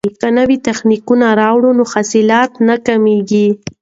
که نوي تخنیکونه راوړو نو حاصلات نه کمیږي.